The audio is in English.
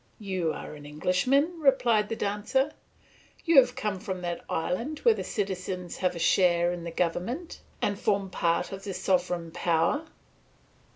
"You are an Englishman!" replied the dancer, "You come from that island where the citizens have a share in the government, and form part of the sovereign power?